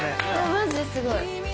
マジですごい。